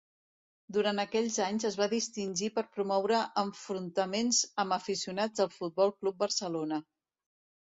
Durant aquells anys es va distingir per promoure enfrontaments amb aficionats del Futbol Club Barcelona.